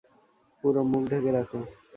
পুরো মুখ ঢেকে রাখ।